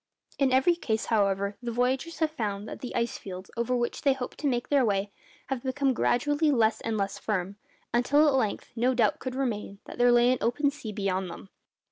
In every case, however, the voyagers have found that the ice fields, over which they hoped to make their way, have become gradually less and less firm, until at length no doubt could remain that there lay an open sea beyond them.